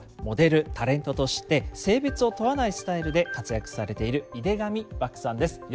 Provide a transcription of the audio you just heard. モデルタレントとして性別を問わないスタイルで活躍されている井手上漠さんです。